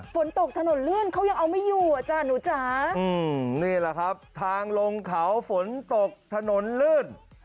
ฝนตกถนนลื่นเขายังเอาไม่อยู่อ่ะจ้ะหนูจ๋านี่แหละครับทางลงเขาฝนตกถนนลื่น